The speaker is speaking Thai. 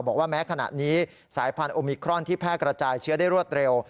บอกว่าแม้ขณะนี้สายพันธุมิครอนที่แพร่กระจายเชื้อได้รวดเร็ว